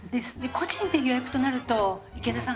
個人で予約となると池田さん